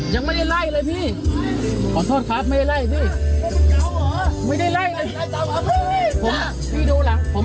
ยังไม่ได้ไล่เลยพี่ขอโทษครับไม่ได้ไล่พี่ไม่ได้ไล่พี่ดูละผม